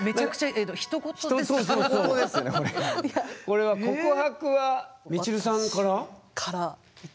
これは告白はみちるさんから？